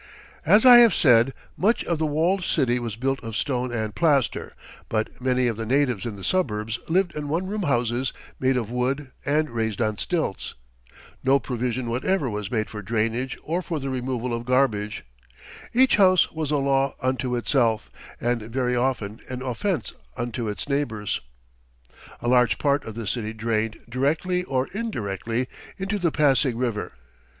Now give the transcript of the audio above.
As I have said, much of the walled city was built of stone and plaster, but many of the natives in the suburbs lived in one room houses made of wood and raised on stilts. No provision whatever was made for drainage or for the removal of garbage. Each house was a law unto itself and very often an offense unto its neighbours. [Illustration: A Carabao] A large part of the city drained, directly or indirectly, into the Pasig River.